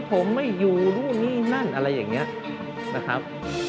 ผมไม่อยู่นู่นนี่นั่นอะไรอย่างนี้นะครับ